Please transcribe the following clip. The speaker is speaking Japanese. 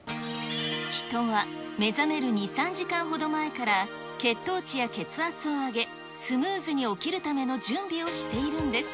人は目覚める２、３時間ほど前から血糖値や血圧を上げ、スムーズに起きるための準備をしているんです。